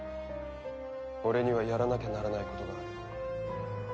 俺にはやらなきゃならないことがある。